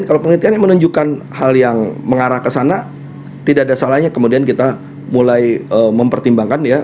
kalau penelitian yang menunjukkan hal yang mengarah ke sana tidak ada salahnya kemudian kita mulai mempertimbangkan ya